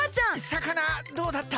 さかなどうだった？